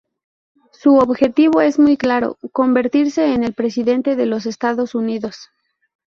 Su objetivo es muy claro: convertirse en el presidente de los Estados Unidos.